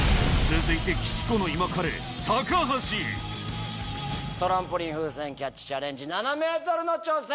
岸子の今カレトランポリン風船キャッチチャレンジ７ｍの挑戦！